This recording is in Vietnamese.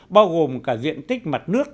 bao gồm cả diện tích mặt nước